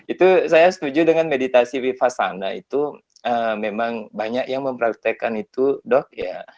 itu saya setuju dengan meditasi viva sana itu memang banyak yang mempraktekkan itu dok ya